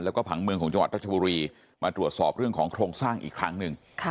แล้วก็ผังเมืองของจังหวัดรัชบุรีมาตรวจสอบเรื่องของโครงสร้างอีกครั้งหนึ่ง